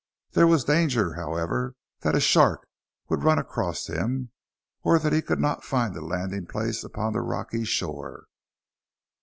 There was danger, however, that a shark would run across him, or that he could not find a landing place upon the rocky shore.